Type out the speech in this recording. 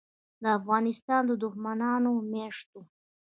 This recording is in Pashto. دافغانستان دښمنانودمیاشتو